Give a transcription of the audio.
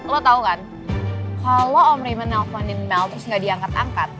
lo tau kan kalo om rima nelfonin mel terus nggak diangkat angkat